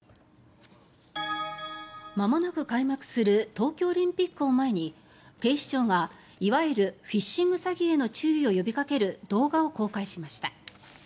まもなく開幕する東京オリンピックを前に警視庁がいわゆるフィッシング詐欺への注意を呼びかける動画を公開しました。